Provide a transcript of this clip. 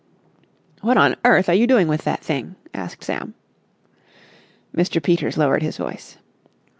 "What on earth are you doing with that thing?" asked Sam. Mr. Peters lowered his voice.